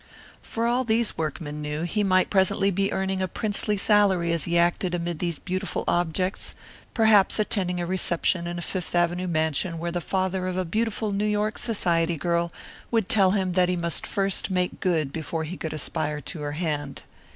For all these workmen knew, he might presently be earning a princely salary as he acted amid these beautiful objects, perhaps attending a reception in a Fifth Avenue mansion where the father of a beautiful New York society girl would tell him that he must first make good before he could aspire to her hand.